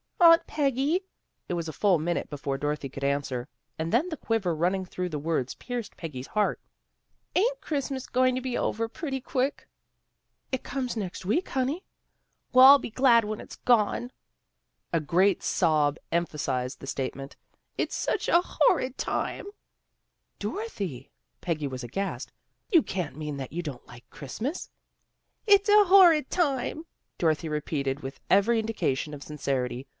"" Aunt Peggy." It was a full minute before Dorothy could answer, and then the quiver running through the words pierced Peggy's heart. "Ain't Christmas going to be over pretty quick? "" It comes next week, honey." CHRISTMAS PREPARATIONS 171 " Well, I'll be glad when it's gone." A great sob emphasized the statement. " It's such a horrid time." " Dorothy! " Peggy was aghast. " You can't mean that you don't like Christmas." " It's a horrid tune," Dorothy repeated, with every indication of sincerity.